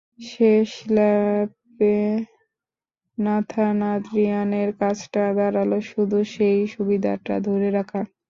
শেষ ল্যাপে নাথান আদ্রিয়ানের কাজটা দাঁড়াল শুধু সেই সুবিধাটা ধরে রাখা।